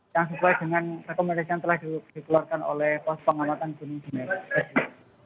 yang sesuai dengan rekomendasi yang telah dikeluarkan oleh pos pengamatan gunung semeru